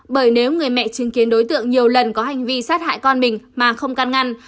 bởi nếu người mẹ chứng kiến đối tượng nhiều lần có hành vi sát hại con mình mà không can ngăn